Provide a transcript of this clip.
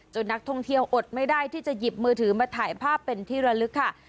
นักท่องเที่ยวอดไม่ได้ที่จะหยิบมือถือมาถ่ายภาพเป็นที่ระลึกค่ะ